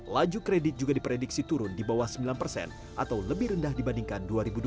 laju kredit juga diprediksi turun di bawah sembilan persen atau lebih rendah dibandingkan dua ribu dua puluh